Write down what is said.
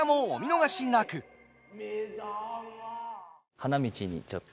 花道にちょっと。